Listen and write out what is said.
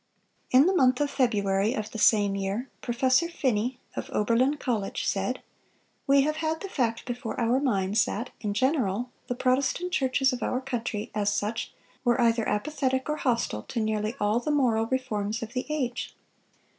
_"(620) In the month of February of the same year, Professor Finney, of Oberlin College, said: "We have had the fact before our minds, that, in general, the Protestant churches of our country, as such, were either apathetic or hostile to nearly all the moral reforms of the age.